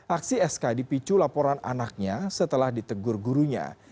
aksi sk dipicu laporan anaknya setelah ditegur gurunya